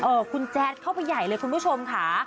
คุณแจ๊ดเข้าไปใหญ่เลยคุณผู้ชมค่ะ